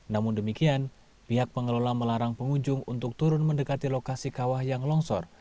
namun demikian pihak pengelola melarang pengunjung untuk turun mendekati lokasi kawah yang longsor